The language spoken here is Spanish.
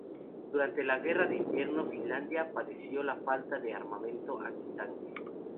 Durante la Guerra de Invierno, Finlandia padeció la falta de armamento antitanque.